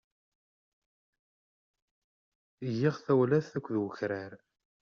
Giɣ tawlaft akked ukrar.